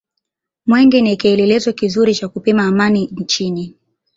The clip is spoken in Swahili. mwenge ni kielelezo kizuri cha kupima amani nchini